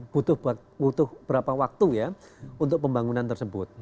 butuh berapa waktu ya untuk pembangunan tersebut